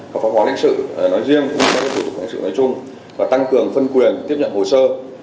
và pháp hóa lãnh sự nói riêng pháp hóa lãnh sự nói chung và tăng cường phân quyền tiếp nhận hồ sơ